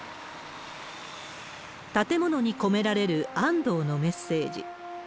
建物に込められる安藤のメッセージ。